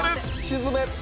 沈め！